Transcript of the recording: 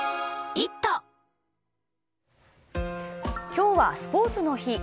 今日はスポーツの日。